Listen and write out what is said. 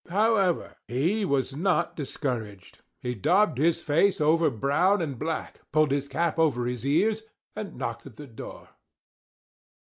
However, he was not to be discouraged; he daubed his face over brown and black; pulled his cap over his ears, and knocked at the door.